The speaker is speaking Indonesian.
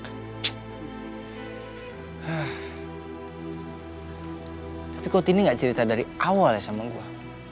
tapi kok ini gak cerita dari awal ya sama gua